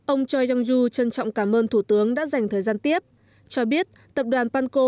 ông choi yong du trân trọng cảm ơn thủ tướng đã dành thời gian tiếp cho biết tập đoàn panco